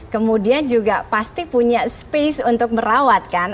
kemudian juga pasti punya space untuk merawat kan